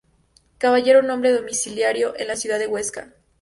Caballero noble domiciliado en la ciudad de Huesca.